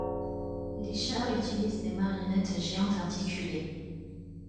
Les chars utilisent des marionnettes géantes articulées.